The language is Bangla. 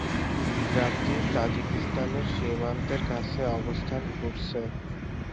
গ্রামটি তাজিকিস্তানের সীমান্তের কাছে অবস্থান করছে।